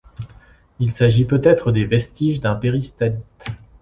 Il s'agit peut-être des vestiges d'un péristalithe.